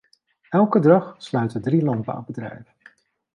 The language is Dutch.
Elke dag sluiten drie landbouwbedrijven.